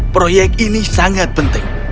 proyek ini sangat penting